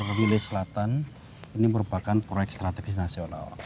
antara wilayah selatan ini merupakan proyek strategis nasional